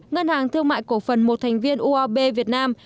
ngân hàng thương mại cổ phần một thành viên uab việt nam